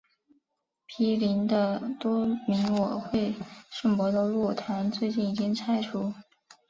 毗邻的多明我会圣伯多禄堂最近已经拆除。